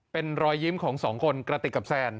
เป็นรอยยิ้มของสองคนกระติกกับแซน